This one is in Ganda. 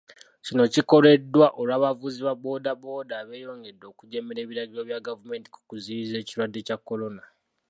Kino kikoleddwa olw'abavuzi ba bbooda bbooda abeeyongedde okujeemera ebiragiro bya gavumenti ku kuziyiza ekirwadde kya Kolona.